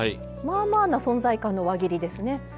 まあまあな存在感の輪切りですね。